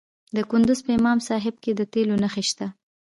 د کندز په امام صاحب کې د تیلو نښې شته.